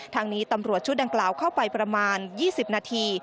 ทางนี้ตำรวจชุดดังกล่าวเข้าไปประมาณ๒๐นาที